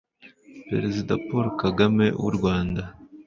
Perezida Paul Kagame w'u Rwanda